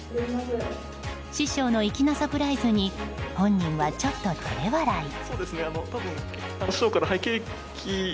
師匠の粋なサプライズに本人はちょっと照れ笑い。